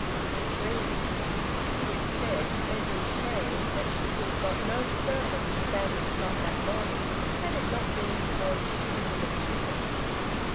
THREE. Be it said to Edwin's shame that she would have got no further with the family plot that morning, had it not been for the chivalry of Stifford.